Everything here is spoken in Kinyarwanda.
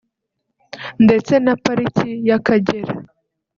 ndetse na Pariki y’Akagera